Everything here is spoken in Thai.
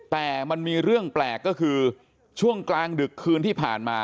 แต่มันมีเรื่องแปลกก็คือช่วงกลางดึกคืนที่ผ่านมา